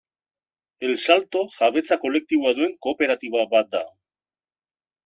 El Salto jabetza kolektiboa duen kooperatiba bat da.